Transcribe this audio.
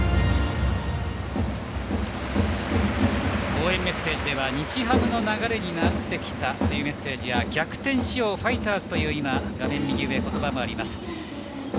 応援メッセージでは日ハムの流れになってきたとか逆転しようファイターズということばもあります。